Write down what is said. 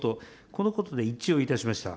このことで一致をいたしました。